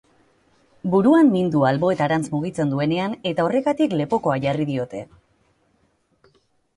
Buruan min du alboetarantz mugitzen duenean eta horregatik lepokoa jarri diote.